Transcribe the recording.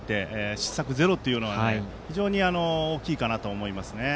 失策ゼロというのは非常に大きいかなと思います。